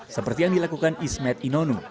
seperti yang dilakukan ismet inonu